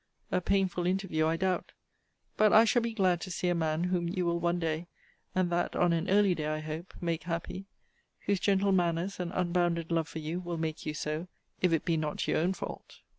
A painful interview, I doubt! But I shall be glad to see a man whom you will one day, and that on an early day, I hope, make happy; whose gentle manners, and unbounded love for you, will make you so, if it be not your own fault.